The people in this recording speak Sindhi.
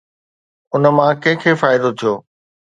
ان مان ڪنهن کي فائدو ٿيو؟